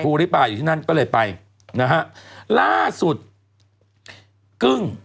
พูอีปายอยู่ที่นั่นก็เลยไปล่าสุดกึ้ง